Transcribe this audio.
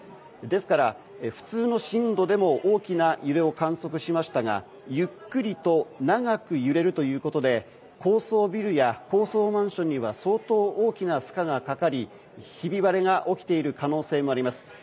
ですから、普通の震度でも大きな揺れを観測しましたがゆっくりと長く揺れるということで高層ビルや高層マンションには相当、大きな負荷がかかりひび割れが起きている可能性もあります。